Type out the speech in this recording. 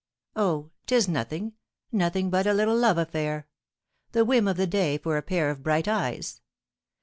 Oh, 'tis nothing, nothing but a little love affair! the whim of the day for a pair of bright eyes.